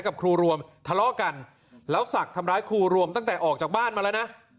กับครูรวมทะเลาะกันแล้วศักดิ์ทำร้ายครูรวมตั้งแต่ออกจากบ้านมาแล้วนะ